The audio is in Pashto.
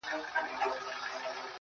o تا ولي په سوالونو کي سوالونه لټوله .